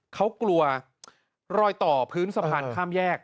เขากลัวรอยต่อพื้นสะพานข้ามแยก